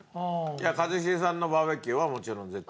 じゃあ一茂さんのバーベキューはもちろん絶対。